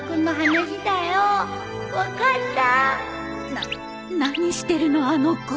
な何してるのあの子